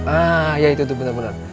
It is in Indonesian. ah ya itu untuk benar benar